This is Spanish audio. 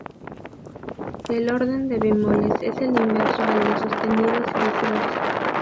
El orden de bemoles es el inverso al de sostenidos y viceversa.